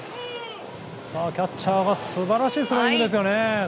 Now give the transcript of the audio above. キャッチャーが素晴らしいスローイングですね。